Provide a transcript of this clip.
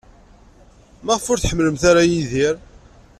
Maɣef ur tḥemmlemt ara Yidir?